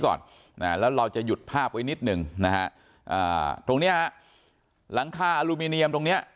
ก่อนแล้วเราจะหยุดภาพไว้นิดหนึ่งนะฮะตรงเนี้ยฮะหลังคาอลูมิเนียมตรงเนี้ย